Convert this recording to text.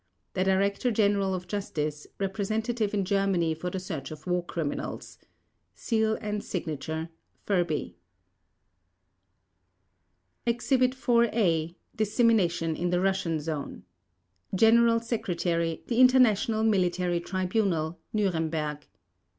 The Director General of Justice Representative in Germany for the Search of War Criminals, (Seal) /s/ FURBY Exhibit IV A. Dissemination in the Russian Zone General Secretary, The International Military Tribunal, Nuremberg.